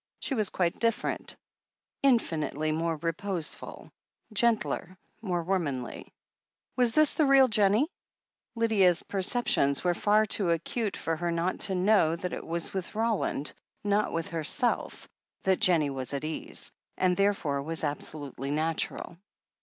She was quite different — infinitely more reposeful, gentler, more womanly. Was this the real Jennie ? Lydia's perceptions were far too acute for her not to know that it was with Roland, not with herself, that Jennie was at ease, and therefore was absolutely natural.